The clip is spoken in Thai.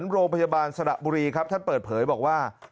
โรงพยาบาลสระบุรีครับท่านเปิดเผยบอกว่า